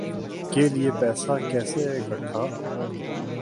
کے لیے پیسہ کیسے اکھٹا